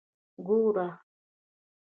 ګوره.